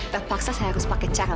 terpaksa saya harus pakai cara